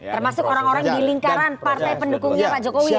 termasuk orang orang di lingkaran partai pendukungnya pak jokowi ya